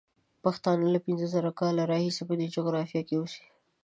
پښتانه له پینځه زره کاله راهیسې په دې جغرافیه کې اوسي.